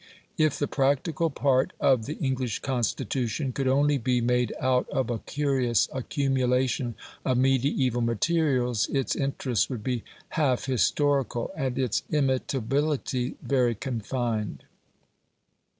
If the practical part of the English Constitution could only be made out of a curious accumulation of mediaeval materials, its interest would be half historical, and its imitability very confined.